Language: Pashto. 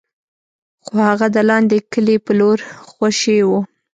خو هغه د لاندې کلي په لور خوشې و.